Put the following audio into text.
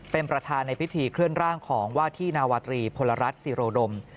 เป็นประธานในพิธีเคลื่อนร่างของว่าที่นาวาตรีพลรัฐศิโรดม